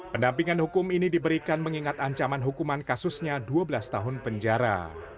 pendampingan hukum ini diberikan mengingat ancaman hukuman kasusnya dua belas tahun penjara